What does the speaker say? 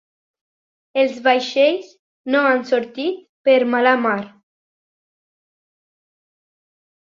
Els vaixells no han sortit per mala mar.